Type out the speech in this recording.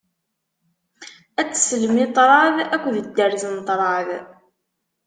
Ad teslem i ṭṭrad akked dderz n ṭṭrad.